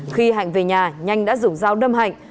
khi hạnh về nhà nhanh đã dùng dao đâm hạnh